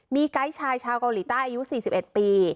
มีไกด์ชายชาวเกาหลีใต้อายุ๔๑ปี